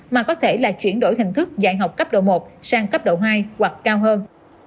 mà có thể là chuyển đổi hình thức dạy học cấp độ một sang cấp độ hai hoặc cao hơn